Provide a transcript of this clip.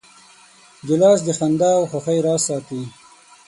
ګیلاس د خندا او خوښۍ راز ساتي.